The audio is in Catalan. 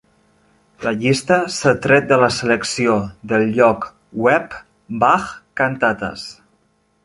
La llista s'ha tret de la selecció del lloc web Bach-Cantatas.